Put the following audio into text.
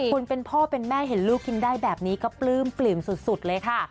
คุณเป็นพ่อเป็นแม่เห็นลูกกินได้แบบนี้ก็ปลื้มปลื้มสุดเลยค่ะ